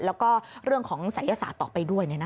แล้วก็เรื่องของศัยศาสตร์ต่อไปด้วย